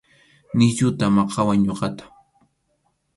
Nisyuta maqawaq ñuqata.